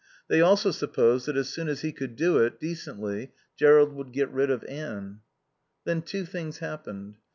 They also supposed that as soon as he could do it decently Jerrold would get rid of Anne. Then two things happened.